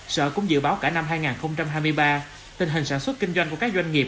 sở cũng dự báo cả năm hai nghìn hai mươi ba tình hình sản xuất kinh doanh của các doanh nghiệp